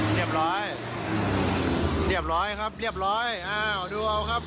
เรียบร้อยเรียบร้อยครับเรียบร้อยอ้าวดูเอาครับ